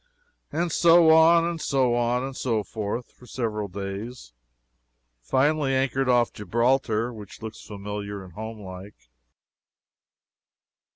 "And so on, and so on, and so forth, for several days. Finally, anchored off Gibraltar, which looks familiar and home like."